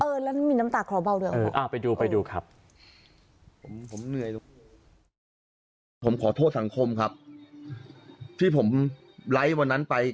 เออเลยมีน้ำตากรอเบาด้วยอ่ะ